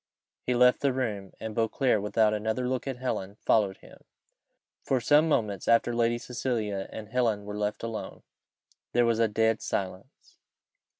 He left the room; and Beauclerc, without another look at Helen, followed him. For some moments after Lady Cecilia and Helen were left alone, there was a dead silence.